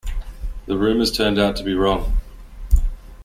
The rumours turned out to be wrong.